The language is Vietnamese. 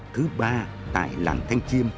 thứ ba tại làng thanh chiêm